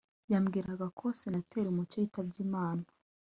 yambwiraga ko Senateri Mucyo yitabye Imana